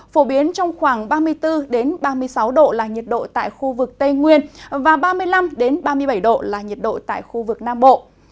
phổ biến trong khoảng ba mươi bốn ba mươi sáu độ là nhiệt độ tại khu vực tây nguyên và ba mươi năm ba mươi bảy độ là nhiệt độ tại khu vực nam bộ